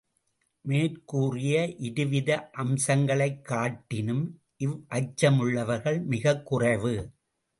மேற்கூறிய இருவித அச்சங்களைக் காட்டினும் இவ்வச்ச முள்ளவர்கள் மிகக்குறைவு.